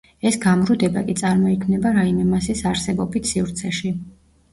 ეს გამრუდება კი წარმოიქმნება რაიმე მასის არსებობით სივრცეში.